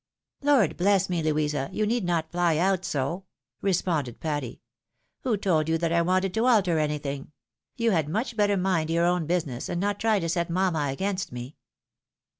" Lord bless me, Louisa ! you need not fly out so," responded Patty; "who told you that I wanted to alter anything? You had much better mind your own busiuess, and not try to set mamma against me."